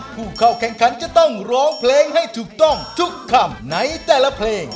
ผู้เข้าแข่งขันจะต้องร้องเพลงให้ถูกต้องทุกคำในแต่ละเพลง